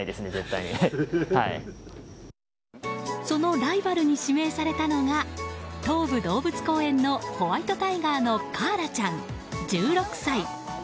そのライバルに指名されたのが東武動物公園のホワイトタイガーのカーラちゃん、１６歳。